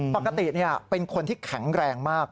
ปกติเป็นคนที่แข็งแรงมาก